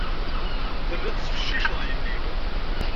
Telliḍ tettfecciceḍ yelli-m.